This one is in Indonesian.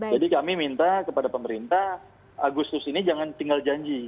kami minta kepada pemerintah agustus ini jangan tinggal janji